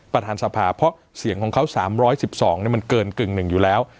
ประธานสภาเพราะเสียงของเขา๓๑๒มันเกินกึ่งหนึ่งอยู่แล้ว